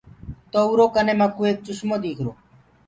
تو اُرو ڪني مڪوُ ايڪ چشمو ديکرو۔